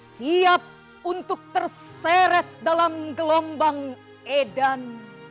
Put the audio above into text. siap untuk terseret dalam gelombang edan